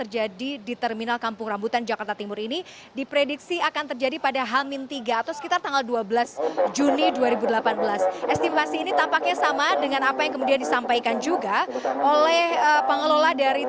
jadi saya sudah mengantongi data fani dan prediksinya